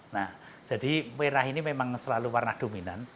nah jadi merah ini memang selalu warna dominan